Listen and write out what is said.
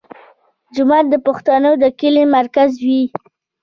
جومات د پښتنو د کلي مرکز وي.